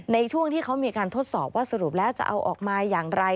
ในช่วงที่เขามีการทดสอบว่าสรุปแล้วจะเอาออกมาอย่างไร